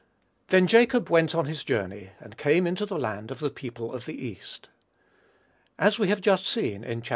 "Then Jacob went on his journey, and came into the land of the people of the east." As we have just seen, in Chap.